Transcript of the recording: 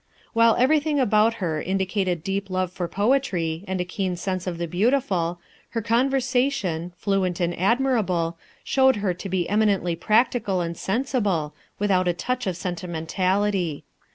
While everything about her indicated deep love for poetry, and a keen sense of the beautiful, her conversation, fluent and admirable, showed her to be eminently practical and sensible, without a touch of sentimentality.